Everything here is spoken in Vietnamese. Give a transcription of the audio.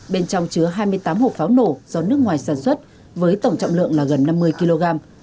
bên trong chứa hai mươi tám hộp pháo nổ do nước ngoài sản xuất với tổng trọng lượng là gần năm mươi kg